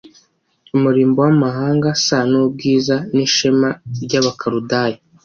Umurimbo w amahanga s n ubwiza n ishema ry abakaludaya